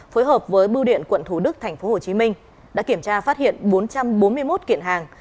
phối hợp với bưu điện quận thủ đức tp hcm đã kiểm tra phát hiện bốn trăm bốn mươi một kiện hàng